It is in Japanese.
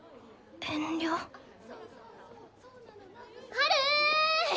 ハル！